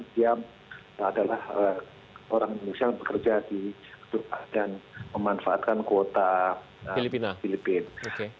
dia adalah orang indonesia yang bekerja dan memanfaatkan kuota filipina